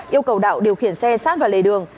yêu cầu đạo điều khiển xe sát vào lề đường